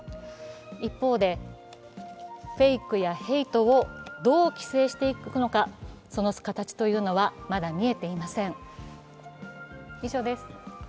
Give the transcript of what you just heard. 一方で、フェイクやヘイトをどう規制していくのか、その形というのはまだ見えていません。